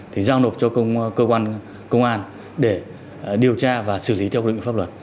thì giao nộp cho cơ quan công an để điều tra và xử lý theo quy định pháp luật